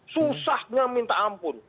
susahnya minta ampun